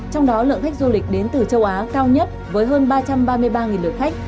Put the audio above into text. trong đó lượng khách du lịch đến từ châu á cao nhất với hơn ba trăm ba mươi ba lượt khách